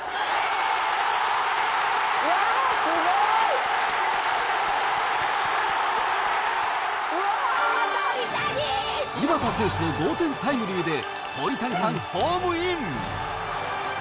いばた選手の同点タイムリーで鳥谷さん、ホームイン。